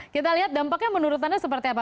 kita lihat dampaknya menurut anda seperti apa